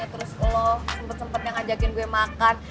terus lo sempet sempetnya ngajakin gue makan